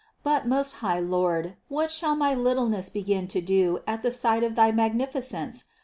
But, most high Lord, what shall my littleness begin to do at the sight of thy magnificence?